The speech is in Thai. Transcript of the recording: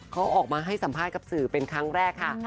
เขาออกมาให้สัมภาษณ์กับสื่อเป็นครั้งแรกค่ะ